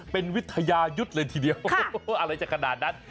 เป็นวิทยายุทธ์เลยทีเดียวอะไรจะขนาดนั้น